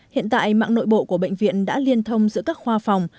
hiện tại mạng nội bộ của bệnh viện đã liên thông giữa các khoa phòng